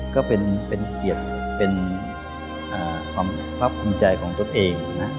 ก็เป็นเกียรติเป็นความวับคุณใจของตนเองนะครับ